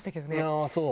ああそう？